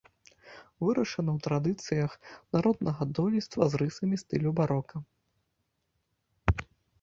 Вырашана ў традыцыях народнага дойлідства з рысамі стылю барока.